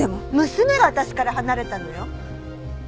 娘が私から離れたのよ！